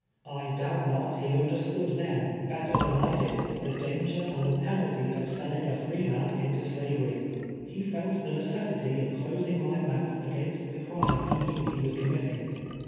I doubt not lie understood then better than I did, the danger and the penalty of selling a free man into slayery. He i'elt the necessity of closing my mouth against the crime he knew he was committing.